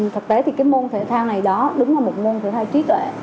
thực tế thì cái môn thể thao này đó đúng là một môn thể thao trí tuệ